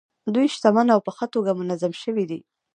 دوی شتمن او په ښه توګه منظم شوي دي.